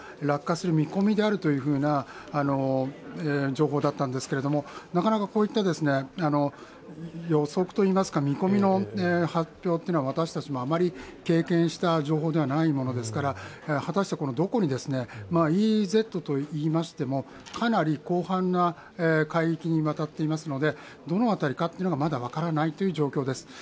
落下する見込みであるという情報だったんですが、なかなかこういった予測といいますか、見込みの発表というのは私たちもあまり経験した情報ではないものですから果たして、どこに、ＥＥＺといいましてもかなり広範な海域にわたっていますので、どの辺りかというのがまだ分からないという状況です。